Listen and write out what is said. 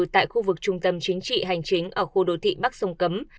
tại khu vực trung tâm chính trị hành chính ở khu đô thị bắc sông cấm